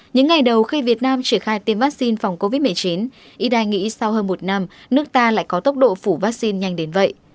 những ngày đầu khi việt nam triển khai tiêm vaccine phòng covid một mươi chín ít ai nghĩ sau hơn một năm nước ta lại có tốc độ phủ vaccine nhanh đến vậy